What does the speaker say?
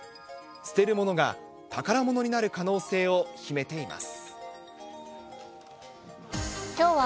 捨てるものが宝物になる可能性を秘めています。